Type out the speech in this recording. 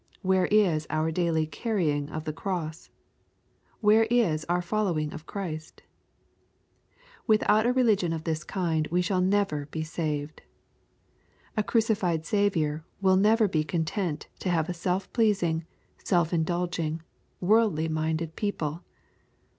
Where is our daily carrying of the cross ? Where is our follow ing of Christ ? Without a religion of this kind we shall never be saved. A crucified Saviour will never be content to have a self pleasing, self indulging, worldly minded people.